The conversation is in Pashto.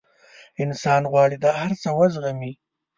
انسان غواړي دا هر څه وزغمي.